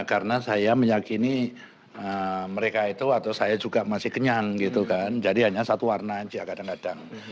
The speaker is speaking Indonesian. karena saya meyakini mereka itu atau saya juga masih kenyang gitu kan jadi hanya satu warna aja kadang kadang